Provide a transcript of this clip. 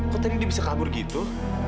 kok tadi dia bisa kabur gitu